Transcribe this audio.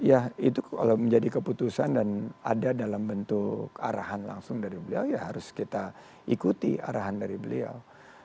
ya itu kalau menjadi keputusan dan ada dalam bentuk arahan langsung dari beliau ya harus kita ikuti arahan dari beliau